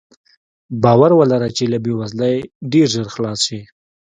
باور ولره چې له بې وزلۍ ډېر ژر خلاص شې.